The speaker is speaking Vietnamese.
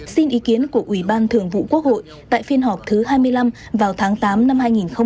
xin ý kiến của ủy ban thường vụ quốc hội tại phiên họp thứ hai mươi năm vào tháng tám năm hai nghìn hai mươi